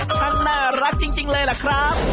ช่างน่ารักจริงเลยล่ะครับ